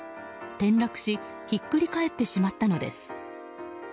転落しひっくり返ってしまったのです。